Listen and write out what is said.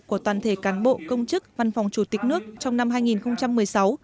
của toàn thể cán bộ công chức văn phòng chủ tịch nước trong năm hai nghìn một mươi sáu